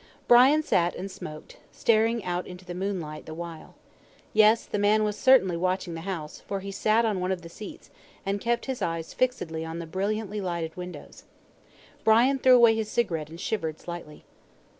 Brian sat and smoked, staring out into the moonlight the while. Yes, the man was certainly watching the house, for he sat on one of the seats, and kept his eyes fixed on the brilliantly lighted windows. Brian threw away his cigarette and shivered slightly.